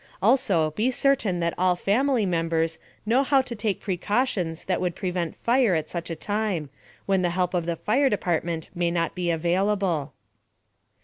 Also, be certain that all family members know how to take precautions that would prevent fire at such a time, when the help of the fire department may not be available.